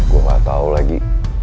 gue gak tau lagi